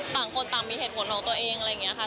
ต่างคนต่างมีเหตุผลของตัวเองอะไรอย่างนี้ค่ะ